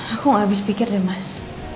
aku gak habis pikir deh mas